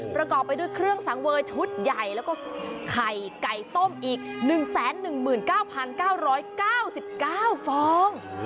ประกอบไปด้วยเครื่องสังเวอร์ชุดใหญ่แล้วก็ไข่ไก่ต้มอีก๑๑๙๙๙๙๙ฟอง